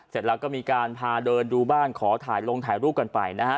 เสร็จแล้วก็มีการพาเดินดูบ้านขอถ่ายลงถ่ายรูปกันไปนะฮะ